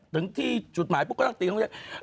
ถึงที่จุดหมายปุ๊บก็ต้องตีเข้ากรุงเทพฯ